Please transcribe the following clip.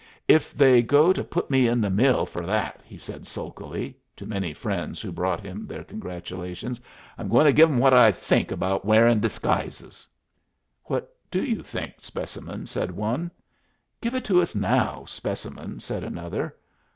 "If they go to put me in the mill fer that," he said, sulkily, to many friends who brought him their congratulations, "I'm going to give 'em what I think about wearin' disguises." [Illustration: "'AIN'T Y'U GOT SOMETHING TO SELL?'"] "What do you think, Specimen?" said one. "Give it to us now, Specimen," said another.